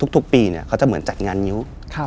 ทุกปีเขาจะเหมือนจัดงานงิ้ว